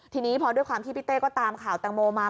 ทีนี้พอด้วยความที่พี่เต้ก็ตามข่าวแตงโมมา